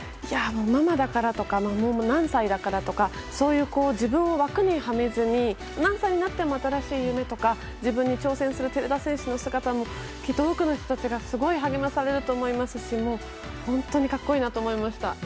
ママだからとか何歳だからとかそういう自分を枠にはめずに何歳になっても新しい夢とか自分に挑戦する寺田選手の姿はきっと多くの人たちが励まされると思いますし格好いいなと思いました。